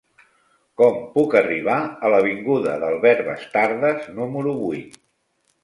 Com puc arribar a l'avinguda d'Albert Bastardas número vuit?